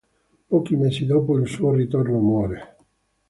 Pochi mesi dopo il suo ritorno, muore.